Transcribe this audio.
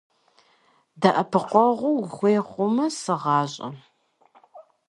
ДэӀэпыкъуэгъу ухуей хъумэ, сыгъащӏэ.